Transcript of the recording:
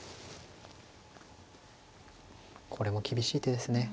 これも厳しい手ですね。